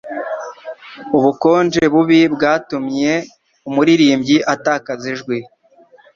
Ubukonje bubi bwatumye umuririmbyi atakaza ijwi.